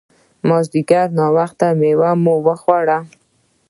مازیګر ناوخته مېوه مو وخوړه.